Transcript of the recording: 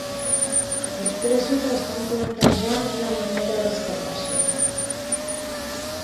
Els presos estan planejant la manera d'escapar-se.